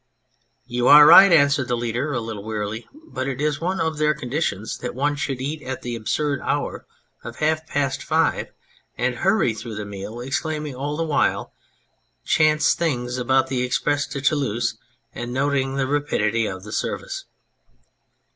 " You are right," answered the leader, a little wearily, " but it is one of their conditions that one should eat at the absurd hour of half past five, and hurry through the meal exclaiming all the while chance things about the express to Toulouse, and noting the rapidity of the service."